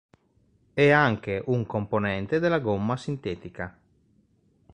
È anche un componente della gomma sintetica.